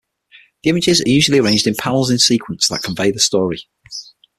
The images are usually arranged in panels in sequence that convey the story.